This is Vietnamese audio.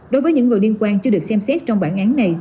đối với những người liên quan chưa được xem xét trong bản án này